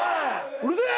うるせえ！